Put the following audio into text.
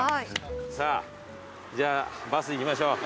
さぁじゃあバス行きましょう。